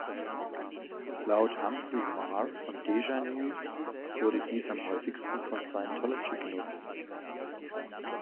Laut Humphrey Marr von Deja News wurde dies am häufigsten von Scientology genutzt.